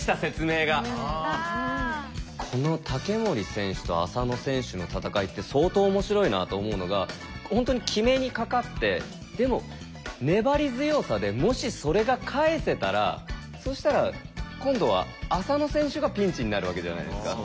この竹守選手と浅野選手の戦いって相当面白いなと思うのが本当に決めにかかってでも粘り強さでもしそれが返せたらそしたら今度は浅野選手がピンチになるわけじゃないですか。